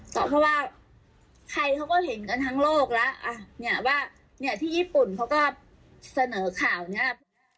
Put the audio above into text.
แต่ว่าใครเขาก็เห็นกันทั้งโลกแล้วว่าที่ญี่ปุ่นเขาก็เสนอข่าวนี้